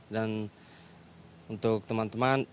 dan untuk teman teman